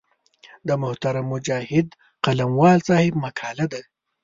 د محترم مجاهد قلموال صاحب مقاله ده.